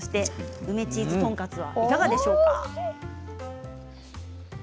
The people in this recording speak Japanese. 梅チーズ豚カツはいかがでしょうか。